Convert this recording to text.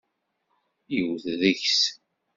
Yewwet deg-s.